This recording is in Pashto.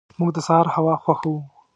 موږ د سهار هوا خوښو.